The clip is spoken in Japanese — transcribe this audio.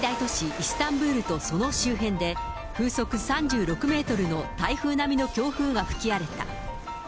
イスタンブールとその周辺で、風速３６メートルの台風並みの強風が吹き荒れた。